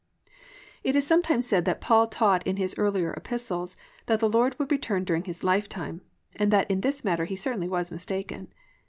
It is sometimes said that Paul taught in his earlier epistles that the Lord would return during his lifetime, and that in this matter he certainly was mistaken.